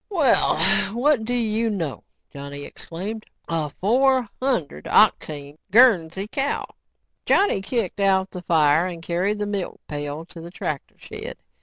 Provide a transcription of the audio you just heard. "Well, what do you know," Johnny exclaimed, "a four hundred octane Guernsey cow!" Johnny kicked out the fire and carried the milk pail to the tractor shed.